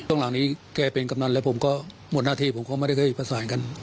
หลังนี้แกเป็นกำนันแล้วผมก็หมดหน้าที่ผมก็ไม่ได้เคยประสานกัน